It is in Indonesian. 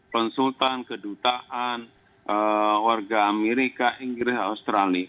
konsultan kedutaan warga amerika inggris australia